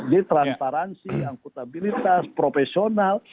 jadi transparansi akutabilitas profesional